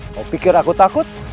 kau pikir aku takut